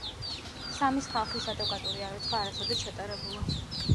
სამის ხალხის ადეკვატური აღრიცხვა არასოდეს ჩატარებულა.